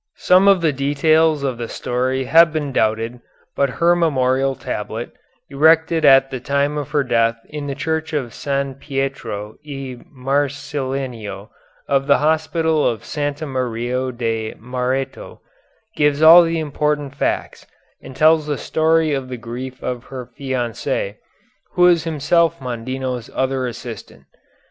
Some of the details of the story have been doubted, but her memorial tablet, erected at the time of her death in the Church of San Pietro e Marcellino of the Hospital of Santa Maria de Mareto, gives all the important facts, and tells the story of the grief of her fiancé, who was himself Mondino's other assistant.